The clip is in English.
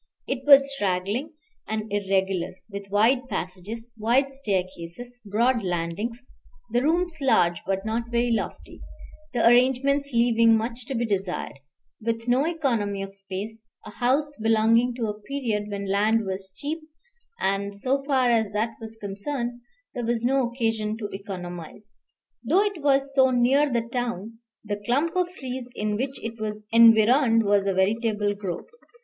It was straggling and irregular, with wide passages, wide staircases, broad landings; the rooms large but not very lofty; the arrangements leaving much to be desired, with no economy of space; a house belonging to a period when land was cheap, and, so far as that was concerned, there was no occasion to economize. Though it was so near the town, the clump of trees in which it was environed was a veritable grove.